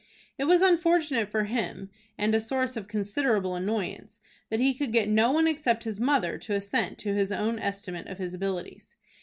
It was unfortunate for him, and a source of considerable annoyance, that he could get no one except his mother to assent to his own estimate of his abilities.